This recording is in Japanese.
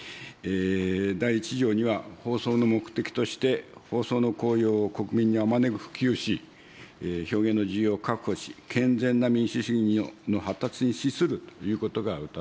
第１条には、放送の目的として、放送の効用を国民にあまねく普及し、表現の自由を確保し、健全な民主主義の発達に資するということがうたわれてございます。